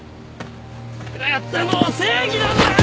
俺がやったのは正義なんだよ！